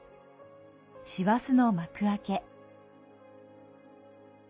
師走の幕開け。